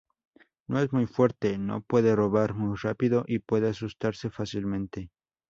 No es muy fuerte, no puede rodar muy rápido, y puede asustarse fácilmente.